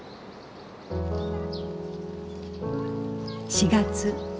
４月。